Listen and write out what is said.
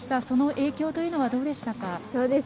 その影響というのはどうでしたか？